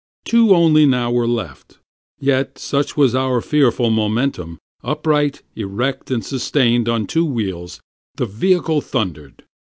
Two only now were left; yet such was our fearful momentum, Upright, erect, and sustained on two wheels, the vehicle thundered.